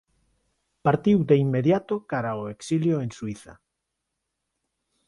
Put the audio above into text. Partiu de inmediato cara ao exilio en Suíza.